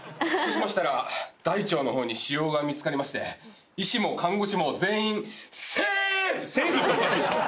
そうしましたら大腸の方に腫瘍が見つかりまして医師も看護師も全員セーフ！